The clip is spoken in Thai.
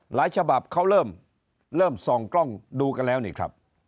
ฉบับเขาเริ่มส่องกล้องดูกันแล้วนี่ครับ